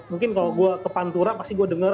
mungkin kalau gue ke pantura pasti gue dengar